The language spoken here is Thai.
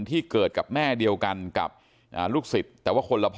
ที่เกิดกับแม่เดียวกันกับลูกศิษย์แต่ว่าคนละพ่อ